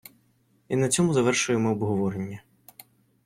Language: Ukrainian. і на цьому завершуємо обговорення.